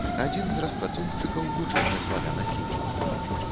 Адзін з распрацоўшчыкаў вучэння славянафілаў.